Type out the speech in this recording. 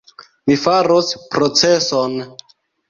Mi faros proceson!